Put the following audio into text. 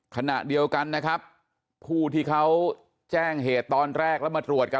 ขณะเดียวกันนะครับผู้ที่เขาแจ้งเหตุตอนแรกแล้วมาตรวจกัน